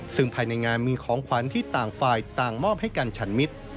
ซึ่งภายในงานมีของขวัญที่ต่างฝ่ายต่างมอบให้กันฉันมิตร